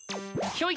ひょい！